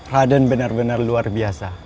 raden benar benar luar biasa